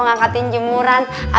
anak tamu mah hampir ada